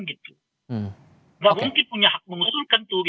gak mungkin punya hak mengusulkan